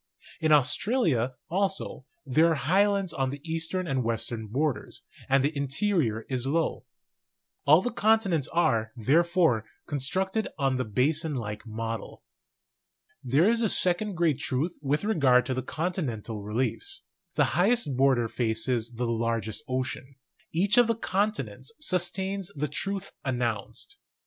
In Australia, also, there are highlands on the eastern and western borders, and the interior is low. All the continents are, therefore, con structed on the basin like model. There is a second great truth with regard to the con tinental reliefs : the highest border faces the largest ocean. Each of the continents sustains the truth announced.